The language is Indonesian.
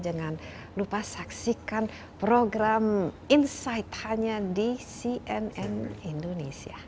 jangan lupa saksikan program insight hanya di cnn indonesia